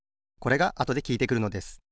これがあとできいてくるのです。